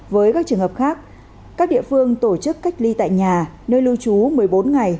với các trường hợp khác các địa phương tổ chức cách ly tại nhà nơi lưu trú một mươi bốn ngày